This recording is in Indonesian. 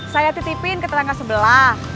saya titipin ke tetangga sebelah